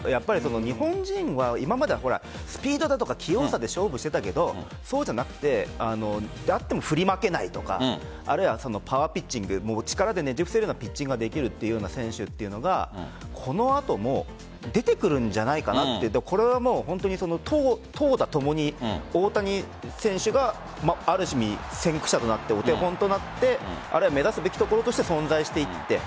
日本人は今まで、スピードだとか器用さで勝負してたけどそうじゃなくて振り負けないとかあるいはパワーピッチング力で力でねじ伏せるようなピッチングができる選手というのがこの後も出てくるんじゃないかという投打ともに大谷選手が先駆者となって、お手本となって目指すべきところとして存在している。